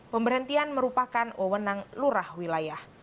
pemberhentian merupakan wewenang lurah wilayah